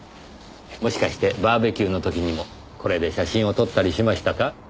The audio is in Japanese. もしかしてバーベキューの時にもこれで写真を撮ったりしましたか？